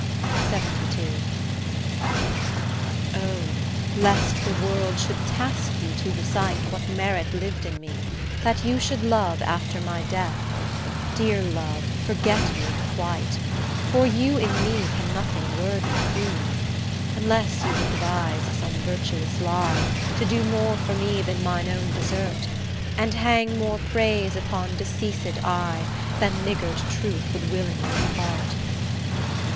LXXII O! lest the world should task you to recite What merit lived in me, that you should love After my death, dear love, forget me quite, For you in me can nothing worthy prove; Unless you would devise some virtuous lie, To do more for me than mine own desert, And hang more praise upon deceased I Than niggard truth would willingly impart: O!